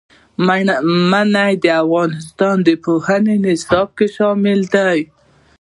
منی د افغانستان د پوهنې نصاب کې شامل دي.